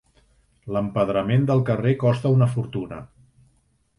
L'empedrament del carrer costa una fortuna.